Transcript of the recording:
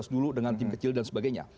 tiga belas dulu dengan tim kecil dan sebagainya